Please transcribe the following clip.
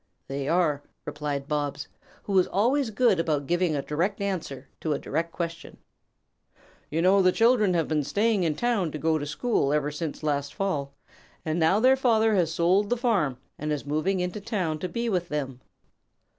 "They are," replied Bobs, who was always good about giving a direct answer to a direct question. "You know the children have been staying in town to go to school ever since last fall, and now their father has sold the farm and is moving into town to be with them."